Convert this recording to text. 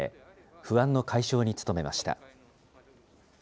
不安の解消に努めました。